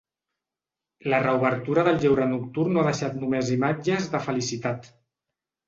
La reobertura del lleure nocturn no ha deixat només imatges de felicitat.